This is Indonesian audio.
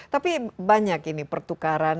tapi banyak ini pertukaran